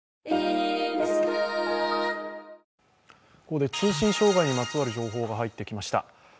ここで通信障害にまつわる情報が入ってきました。